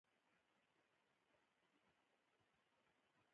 د نن لوستونکی ماشوم څخه سبا متفکر شخص جوړېږي.